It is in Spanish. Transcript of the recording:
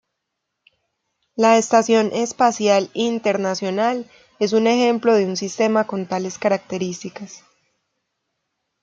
La Estación Espacial Internacional es un ejemplo de un sistema con tales características.